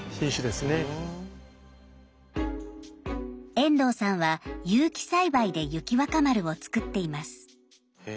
遠藤さんは有機栽培で雪若丸を作っています。